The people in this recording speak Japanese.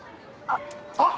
あっ。